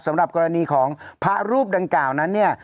สำหรับกรณีของพระรูปดังกล่าวนั้นเนี่ย